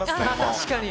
確かに。